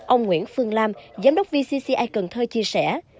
ông nguyễn phương lam giám đốc vcci cần thơ chia sẻ